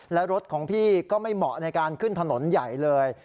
และรถของพี่ก็ไม่เหมาะในการขึ้นถนนใหญ่เลย